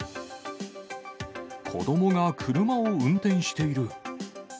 子どもが車を運転している。